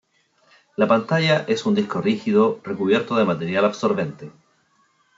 La pantalla es un disco rígido recubierto de material absorbente.